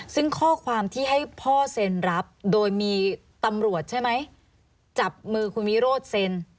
ซึ่งข้อความที่ให้พ่อเซ็นรับโดยมีตำรวจใช่ไหมจับมือคุณวิโรธเซ็น